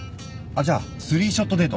じゃあスリーショットデート。